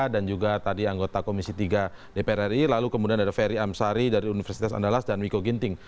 dan juga tadi anggota komisi tiga dpr ri lalu kemudian ada ferry amsari dari universitas andalas dan wiko ginting